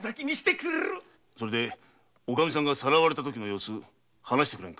おかみさんがさらわれた時の様子を話してくれんか？